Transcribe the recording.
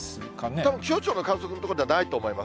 たぶん気象庁の観測の所ではないと思います。